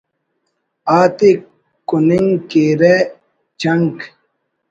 آتے کننگ کیرہ چنک